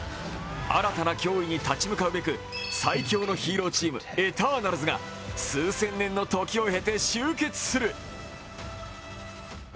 新たな脅威に立ち向かうべく最強のヒーローチーム・エターナルズが数千年の時を経て集結する。